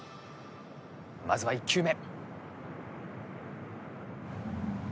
まずは１球目。